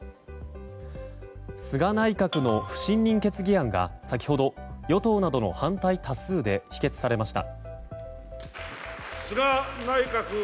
菅内閣の不信任決議案が先ほど与党などの反対多数で否決されました。